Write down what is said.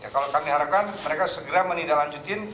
kalau kami harapkan mereka segera menindaklanjutin